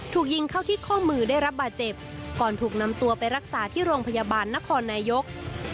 ถูกยิงเข้าที่ข้อมือได้รับบาดเจ็บก่อนถูกนำตัวไปรักษาที่โรงพยาบาลนครนายก